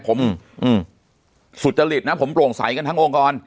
ผมสุจริตนะผมโปร่งใสกันทั้งองค์กร